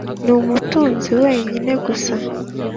numutunzi wenyine gusa